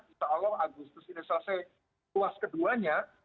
insya allah agustus indonesia selesai tuas keduanya